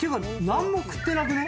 何も食ってなくね？